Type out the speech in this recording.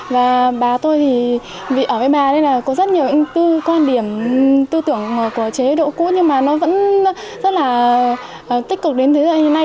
và bà tôi thì vì ở với bà nên là có rất nhiều quan điểm tư tưởng của chế độ cũ nhưng mà nó vẫn rất là tích cực đến thế giới hiện nay